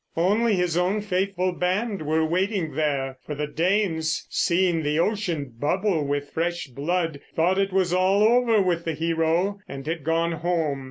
Only his own faithful band were waiting there; for the Danes, seeing the ocean bubble with fresh blood, thought it was all over with the hero and had gone home.